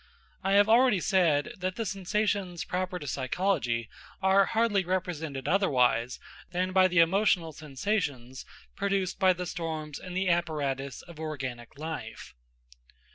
I have already said that the sensations proper to psychology are hardly represented otherwise than by the emotional sensations produced by the storms in the apparatus of organic life.